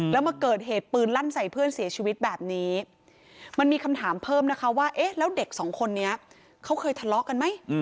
แล้วมาเกิดเหตุปืนลั่นใส่เพื่อนเสียชีวิตแบบนี้มันมีคำถามเพิ่มนะคะว่าเอ๊ะแล้วเด็กสองคนนี้เขาเคยทะเลาะกันไหม